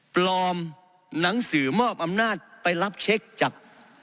ปลอมหนังสือมอบอำนาจไปรับเช็คจาก